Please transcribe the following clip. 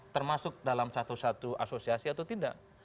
termasuk dalam satu satu asosiasi atau tidak